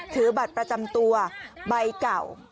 ถือบัตรประจำตัวใบเก่า